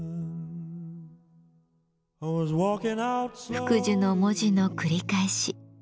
「福寿」の文字の繰り返し。